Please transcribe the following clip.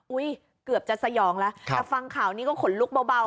เกือบจะสยองแล้วแต่ฟังข่าวนี้ก็ขนลุกเบา